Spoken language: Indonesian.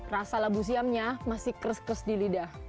rasa labu siamnya masih kris kris di lidah